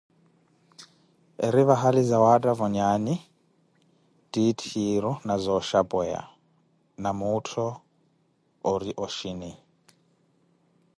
Eri vahali zawattavo nyaanyi titthiru na zooxhapweya na muuttho ori oxhini.